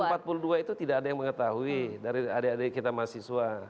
tahun seribu sembilan puluh dua itu tidak ada yang mengetahui dari adik adik kita mahasiswa